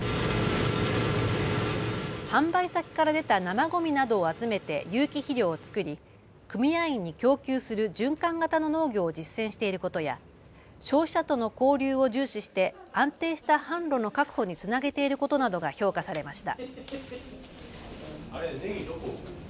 販売先から出た生ごみなどを集めて有機肥料を作り、組合員に供給する循環型の農業を実践していることや消費者との交流を重視して安定した販路の確保につなげていることなどが評価されました。